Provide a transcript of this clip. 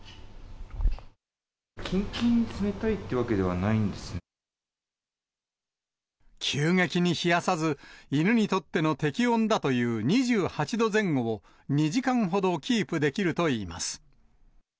きんきんに冷たいというわけ急激に冷やさず、犬にとっての適温だという２８度前後を、２時間ほどキープできるといいます。